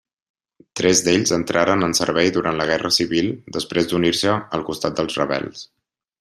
Tres d'ells entraren en servei durant la Guerra Civil després d'unir-se al costat dels rebels.